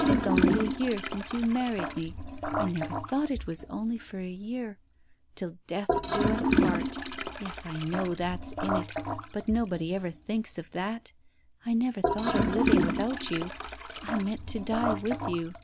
It is only a year since you married me. I never thought it was only for a year. ' Till death us do part !' Yes, I know that's in it, but nobody ever thinks of that ! I never thought of living without you ! I meant to die with you.